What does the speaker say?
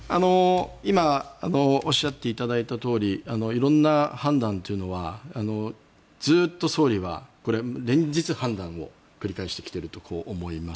今おっしゃっていただいたとおり色んな判断というのはずっと総理はこれは連日、判断を繰り返してきていると思います。